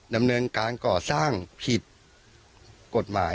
ดำเนินการก่อสร้างผิดกฎหมาย